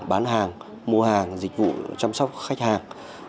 bán hàng mua hàng dịch vụ chăm sóc khách hàng